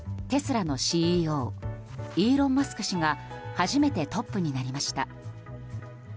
テスラのＣＥＯイーロン・マスク氏が初めてトップになりました。